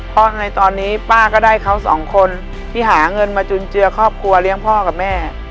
เพราะในตอนนี้ป้าก็ได้เขาสองคนที่หาเงินมาจุนเจือครอบครัวเลี้ยงพ่อกับแม่